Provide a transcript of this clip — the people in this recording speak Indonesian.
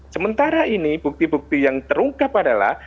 sementara ini bukti bukti yang terungkap adalah